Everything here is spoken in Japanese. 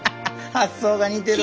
発想が似てるわ。